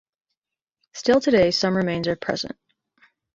Still today some remains are present.